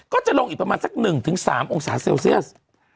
ก็จะลงอีกประมาณสักหนึ่งถึง๓องศาเซลเซียส